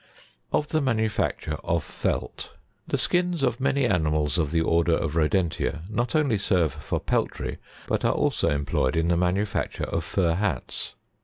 Of the manufacture of Felt. 76. The skins of many animals of the order of Rodentia, not only serve for peltry, but are also employed in the manufacture of fur hats.